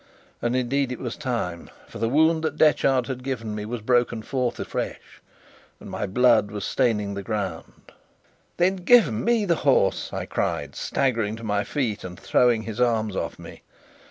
And indeed it was time, for the wound that Detchard had given me was broken forth afresh, and my blood was staining the ground. "Then give me the horse!" I cried, staggering to my feet and throwing his arms off me.